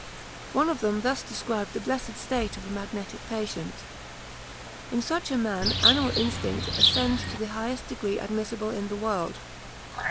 One of them thus described the blessed state of a magnetic patient: "In such a man animal instinct ascends to the highest degree admissible in this world.